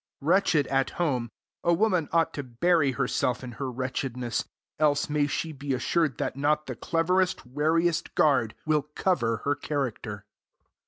Wretched at home, a woman ought to bury herself in her wretchedness, else may she be assured that not the cleverest, wariest guard will cover her character.